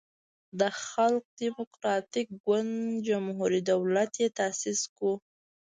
د خلق دیموکراتیک ګوند جمهوری دولت یی تاسیس کړو.